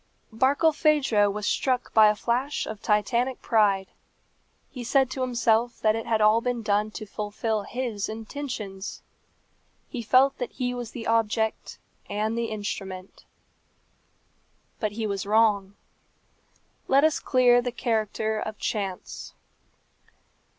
Barkilphedro was struck by a flash of Titanic pride. He said to himself that it had all been done to fulfil his intentions. He felt that he was the object and the instrument. But he was wrong. Let us clear the character of chance.